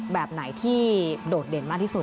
แบบไหนที่โดดเด่นมากที่สุด